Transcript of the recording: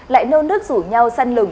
lại nâu nước rủ nhau săn lùng